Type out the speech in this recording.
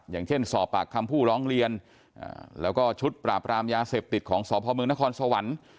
อย่างเช่นสอบปากคำผู้ร้องเรียนแล้วก็ชุดปราบรามยาเสพติดของสพเมืองนครสวรรค์